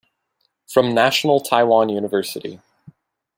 from National Taiwan University.